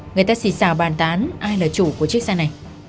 người ta xì xào bàn tán ai là chủ của chiếc xe này